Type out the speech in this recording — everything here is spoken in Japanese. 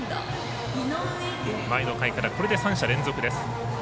前の回から、これで３者連続です。